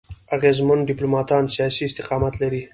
اغېزمن ډيپلوماټان سیاسي استقامت لري.